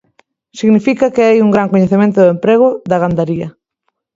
Significa que hai un gran coñecemento do emprego da gandaría.